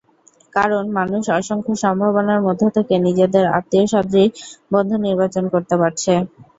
কারণ, মানুষ অসংখ্য সম্ভাবনার মধ্য থেকে নিজেদের আত্মীয়সদৃশ বন্ধু নির্বাচন করতে পারছে।